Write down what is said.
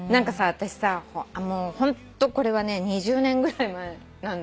私さホントこれはね２０年ぐらい前なんだけど。